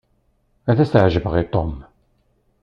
Ad as-ɛejbeɣ i Tom.